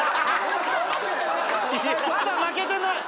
まだ負けてない！